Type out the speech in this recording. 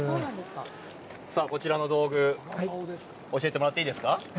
さあ、こちらの道具、教えてもらっていいですか？